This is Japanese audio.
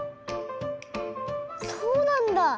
そうなんだ！